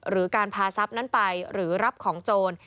หรือการพาทรัพย์นั้นไปหรือรับของโจร